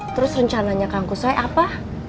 terus rencananya kang kusoy apa